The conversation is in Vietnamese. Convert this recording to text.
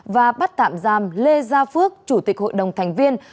và bắt tạm giam lê gia phước chủ tịch hội đồng thành viên